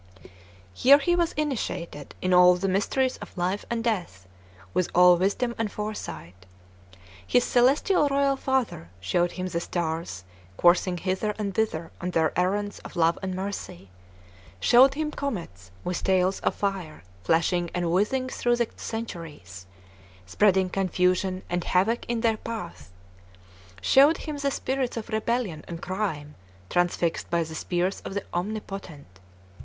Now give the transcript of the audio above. Here he was initiated in all the mysteries of life and death, with all wisdom and foresight. His celestial royal father showed him the stars coursing hither and thither on their errands of love and mercy; showed him comets with tails of fire flashing and whizzing through the centuries, spreading confusion and havoc in their path; showed him the spirits of rebellion and crime transfixed by the spears of the Omnipotent.